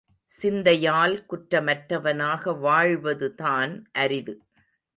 சிந்தையால் குற்றமற்றவனாக வாழ்வதுதான் அரிது.